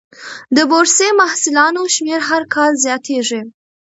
د بورسي محصلانو شمېر هر کال زیاتېږي.